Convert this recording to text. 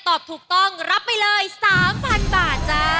ตอบถูกต้องรับไปเลย๓๐๐๐บาทจ้า